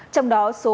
trong đó số mắc